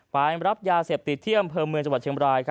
ไปรับยาเสพติดที่อำเภอเมืองจังหวัดเชียงบราย